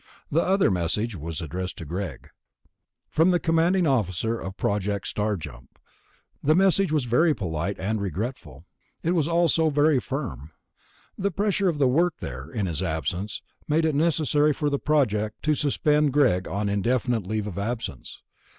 The other message was addressed to Greg, from the Commanding Officer of Project Star Jump. The message was very polite and regretful; it was also very firm. The pressure of the work there, in his absence, made it necessary for the Project to suspend Greg on an indefinite leave of absence.